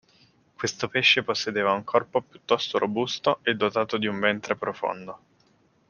Questo pesce possedeva un corpo piuttosto robusto e dotato di un ventre profondo.